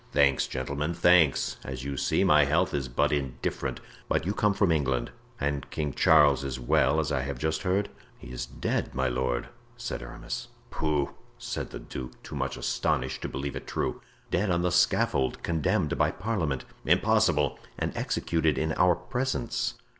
"Thanks, gentlemen, thanks! As you see, my health is but indifferent. But you come from England. And King Charles is well, as I have just heard?" "He is dead, my lord!" said Aramis. "Pooh!" said the duke, too much astonished to believe it true. "Dead on the scaffold; condemned by parliament." "Impossible!" "And executed in our presence."